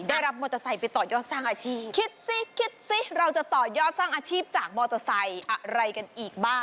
ได้รับมอเตอร์ไซค์ไปต่อยอดสร้างอาชีพคิดสิคิดสิเราจะต่อยอดสร้างอาชีพจากมอเตอร์ไซค์อะไรกันอีกบ้าง